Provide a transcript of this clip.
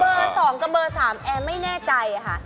เบอร์สองกับเบอร์สามแอมไม่แน่ใจค่ะ